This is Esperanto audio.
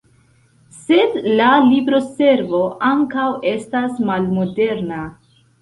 Sed la libroservo ankaŭ estas malmoderna.